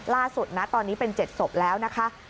ล่าสุดนะตอนนี้เป็น๗ศพแล้วนะคะ